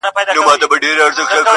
کلي ته ولاړم هر يو يار راڅخه مخ واړوئ,